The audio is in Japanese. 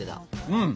うん！